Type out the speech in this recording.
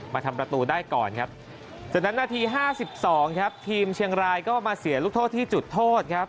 ทำประตูได้ก่อนครับจากนั้นนาทีห้าสิบสองครับทีมเชียงรายก็มาเสียลูกโทษที่จุดโทษครับ